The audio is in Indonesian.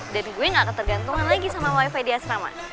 dan gue enggak ketergantungan lagi sama wifi dia selama